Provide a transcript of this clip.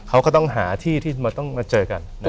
เขาก็ต้องหาที่ที่ต้องมาเจอกัน